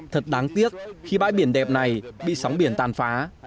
thật đáng tiếc khi bãi biển đẹp này bị sóng biển tàn phá